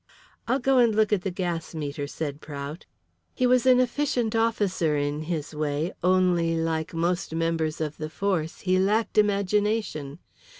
"I'll go and look at the gas meter," said Prout. He was an efficient officer in his way, only, like most members of the force, he lacked imagination.